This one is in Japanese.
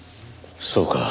そうか。